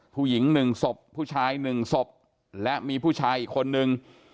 ผู้หญิง๑ศพผู้ชาย๑ศพและมีผู้ชายอีกคนนึง